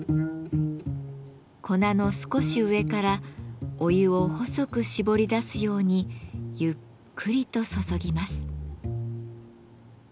粉の少し上からお湯を細くしぼり出すようにゆっくりと注ぎます。